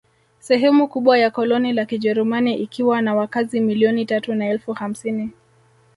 Sehemu kubwa ya koloni la Kijerumani ikiwa na wakazi milioni tatu na elfu hamsini